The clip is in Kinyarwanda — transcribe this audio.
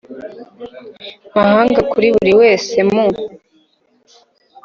mahanga kuri buri wese mu